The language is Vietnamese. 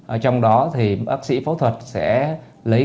ở trong đó thì bác sĩ phẫu thuật sẽ lấy